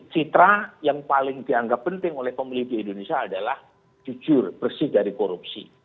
citra yang paling dianggap penting oleh pemilih di indonesia adalah jujur bersih dari korupsi